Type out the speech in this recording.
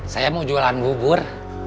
saya mau jualan bubur